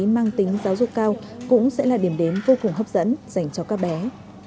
mang tính giáo dục cao cũng sẽ là điểm đến vô cùng hấp dẫn dành cho các bé